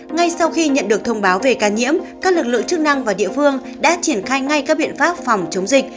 ngay sau khi nhận được thông báo về ca nhiễm các lực lượng chức năng và địa phương đã triển khai ngay các biện pháp phòng chống dịch